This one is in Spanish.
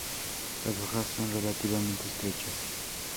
Las hojas son relativamente estrechas.